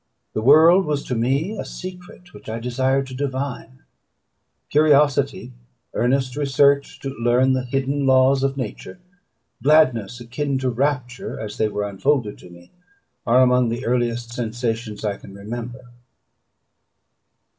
The world was to me a secret which I desired to divine. Curiosity, earnest research to learn the hidden laws of nature, gladness akin to rapture, as they were unfolded to me, are among the earliest sensations I can remember.